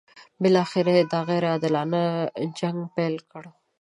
بالاخره یې دا غیر عادلانه جنګ پیل کړ.